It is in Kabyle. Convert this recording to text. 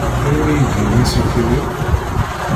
Anwa i yeddmen aselkim-iw?